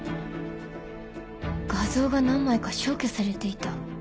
画像が何枚か消去されていた？